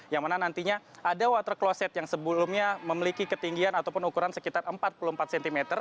yang mana nantinya ada water closet yang sebelumnya memiliki ketinggian ataupun ukuran sekitar empat puluh empat cm